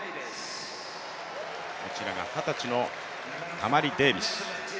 こちらが二十歳のタマリ・デービス。